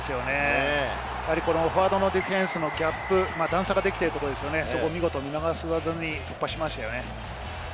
フォワードのディフェンスのギャップ、段差ができているところを見逃さずに突破しました。